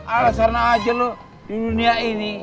alasana aja lo di dunia ini